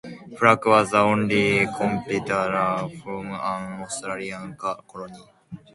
Flack was the only competitor from an Australian colony.